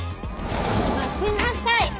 待ちなさい！